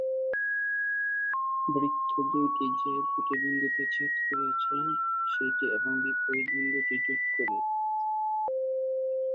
বৃত্ত দুইটি যে দুটি বিন্দুতে ছেদ করেছে সেটি এবং বিপরীত বিন্দুটি যোগ করি।